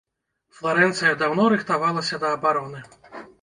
Фларэнцыя даўно рыхтавалася да абароны.